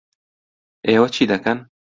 ئێوە چی دەکەن؟